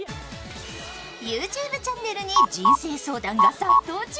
ＹｏｕＴｕｂｅｒチャンネルに人生相談が殺到中。